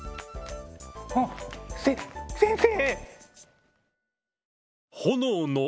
あっせ先生！